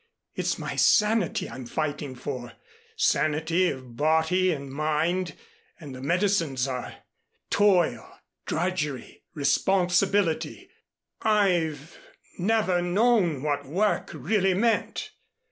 "It's my sanity I'm fighting for sanity of body and mind, and the medicines are toil drudgery responsibility. I've never known what work really meant.